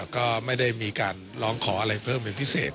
ก็ไม่ได้มีการร้องขออะไรเพิ่มเป็นพิเศษ